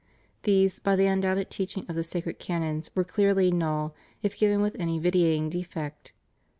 These, by the imdoubted teaching of the sacred canons, were clearly null if given with any vitiating defect.